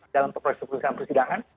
dalam proses perusahaan persidangan